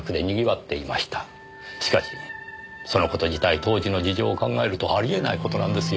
しかしその事自体当時の事情を考えるとあり得ない事なんですよ。